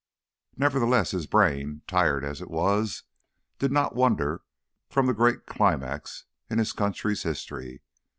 Nevertheless, his brain, tired as it was, did not wander from the great climax in his country's history.